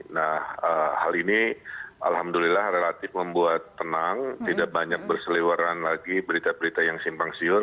nah hal ini alhamdulillah relatif membuat tenang tidak banyak berselewaran lagi berita berita yang simpang siur